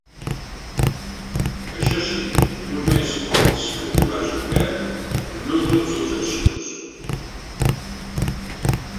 Això sí, només els que tu has obert, no tots els arxius.